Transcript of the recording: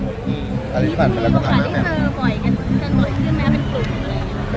มีบทการที่เธอบ่อยกันบ่อยขึ้นขึ้นไหมเป็นครูหรืออะไรอย่างนี้